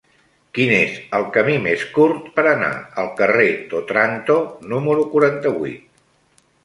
Quin és el camí més curt per anar al carrer d'Òtranto número quaranta-vuit?